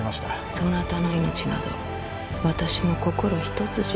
そなたの命など私の心ひとつじゃ。